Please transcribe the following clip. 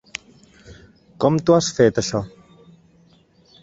Com t'ho has fet, això?